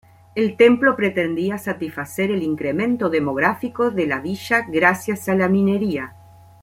El templo pretendía satisfacer el incremento demográfico de la villa gracias a la minería.